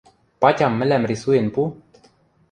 — Патям мӹлӓм рисуен пу.